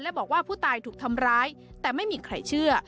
และบอกว่าผู้ตายถูกทำร้ายแต่ไม่มีใครเชื่อ